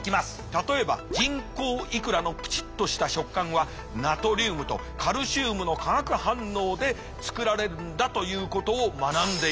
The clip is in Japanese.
例えば人工イクラのプチッとした食感はナトリウムとカルシウムの化学反応で作られるんだということを学んでいく。